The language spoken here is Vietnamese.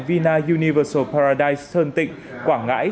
vina universal paradise sơn tịnh quảng ngãi